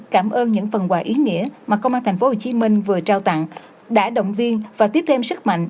cảm ơn những phần quà ý nghĩa mà công an tp hcm vừa trao tặng đã động viên và tiếp thêm sức mạnh